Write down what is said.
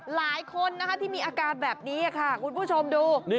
หลายคนนะคะที่มีอาการแบบนี้ค่ะคุณผู้ชมดู